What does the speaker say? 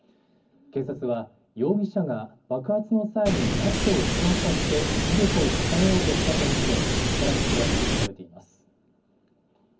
警察は、容疑者が爆発の際にナットを飛散させて威力を高めようとしたと見て、さらに詳しく調べています。